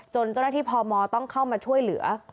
เจ้าหน้าที่พมต้องเข้ามาช่วยเหลือ